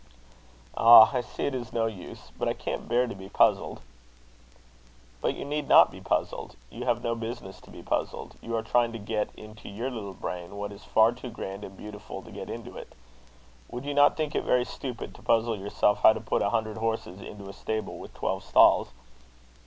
"Ah! I see it is no use; but I can't bear to be puzzled." "But you need not be puzzled; you have no business to be puzzled. You are trying to get into your little brain what is far too grand and beautiful to get into it. Would you not think it very stupid to puzzle yourself how to put a hundred horses into a stable with twelve stalls?"